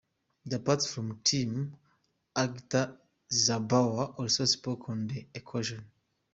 Apart from the team, actor Rizabawa also spoke on the occasion.